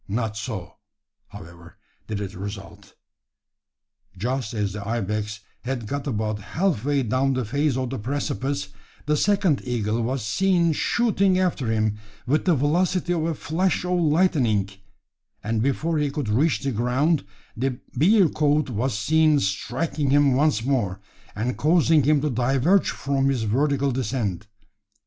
Not so, however, did it result. Just as the ibex had got about half way down the face of the precipice, the second eagle was seen shooting after him with the velocity of a flash of lightning; and before he could reach the ground, the bearcoot was seen striking him once more, and causing him to diverge from his vertical descent.